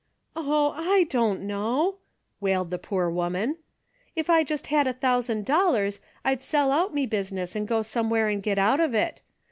" Oh, I don't knoAV," wailed the poor woman. "If I just had a thousand dollars, I'd sell out me business and go someAvhere and get out of it.